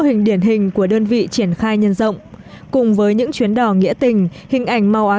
hình điển hình của đơn vị triển khai nhân rộng cùng với những chuyến đò nghĩa tình hình ảnh màu áo